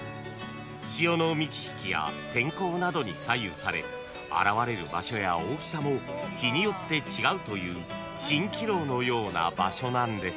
［潮の満ち引きや天候などに左右され現れる場所や大きさも日によって違うという蜃気楼のような場所なんです］